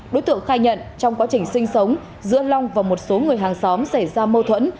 đối tượng khai nhận trong quá trình sinh sống giữa long và một số người hàng xóm xảy ra mâu thuẫn